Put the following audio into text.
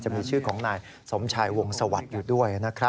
จะมีชื่อของนายสมชายวงสวัสดิ์อยู่ด้วยนะครับ